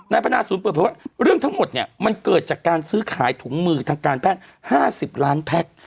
พนาศูนย์เปิดเผยว่าเรื่องทั้งหมดเนี่ยมันเกิดจากการซื้อขายถุงมือทางการแพทย์๕๐ล้านแพ็ค